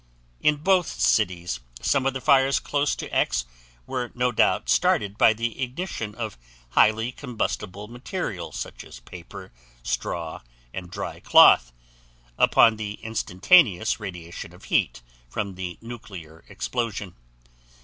In both cities, some of the fires close to X were no doubt started by the ignition of highly combustible material such as paper, straw, and dry cloth, upon the instantaneous radiation of heat from the nuclear explosion.